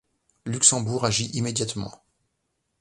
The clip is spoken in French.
Luxembourg agit immédiatement.